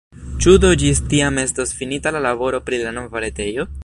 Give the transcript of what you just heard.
Ĉu do ĝis tiam estos finita la laboro pri la nova retejo?